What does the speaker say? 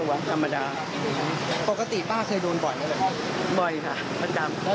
อันนี้มันแตะมันแตะเป็นแผ่นเลยนะ